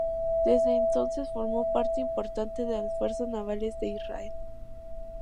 Desde entonces formó parte importante de las Fuerzas Navales de Israel.